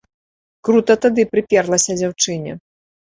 Крута тады прыперлася дзяўчыне.